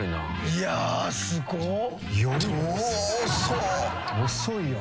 いやすごっ。